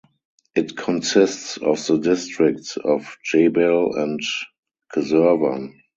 It consists of the districts of Jbeil and Keserwan.